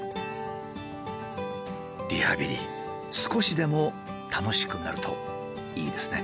リハビリ少しでも楽しくなるといいですね。